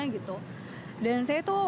gitu dan saya tuh